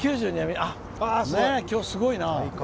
今日、すごいな。